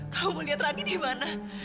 kamu lihat rani di mana